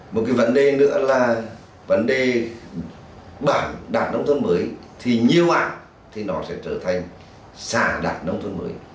một cái vấn đề nữa là vấn đề bản đạt nông thôn mới thì nhiều ạ thì nó sẽ trở thành xã đạt nông thôn mới